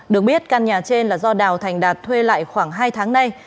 được biết căn nhà trên là do đào thành đạt thuê lại khoảng hai tháng nay